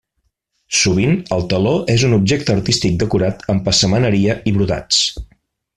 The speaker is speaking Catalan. Sovint, el teló és un objecte artístic decorat amb passamaneria i brodats.